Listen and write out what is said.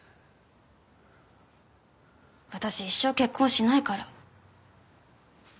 私一生結婚しないから。